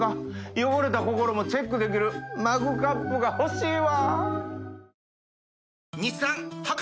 汚れた心もチェックできるマグカップが欲しいわ！